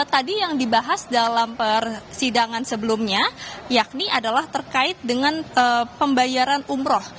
tadi yang dibahas dalam persidangan sebelumnya yakni adalah terkait dengan pembayaran umroh